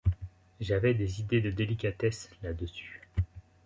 j’avais des idées de délicatesse là-dessus.